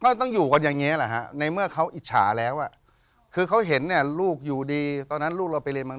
ต้องอยู่กันอย่างนี้แหละฮะในเมื่อเขาอิจฉาแล้วอ่ะคือเขาเห็นเนี่ยลูกอยู่ดีตอนนั้นลูกเราไปเรียนมา